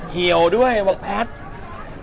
เหียวด้วยแพทย์